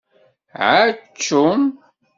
Ɛačum!